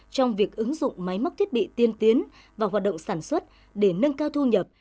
trong việc ứng dụng máy móc thiết bị tiên tiến vào hoạt động sản xuất để nâng cao thu nhập